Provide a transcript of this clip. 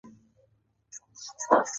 وريجي د خوراک لوی نعمت دی.